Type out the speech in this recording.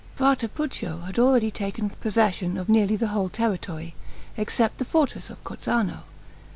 Frate Puccio had already taken possession of nearly the whole territory, except the fortress of Corzano.